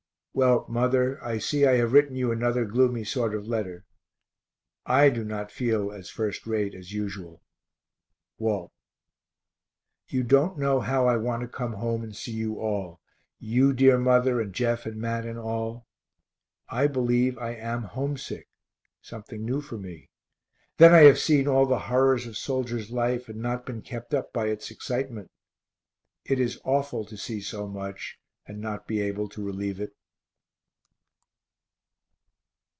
Well mother, I see I have written you another gloomy sort of letter. I do not feel as first rate as usual. WALT. You don't know how I want to come home and see you all; you, dear mother, and Jeff and Mat and all. I believe I am homesick something new for me then I have seen all the horrors of soldiers' life and not been kept up by its excitement. It is awful to see so much, and not be able to relieve it.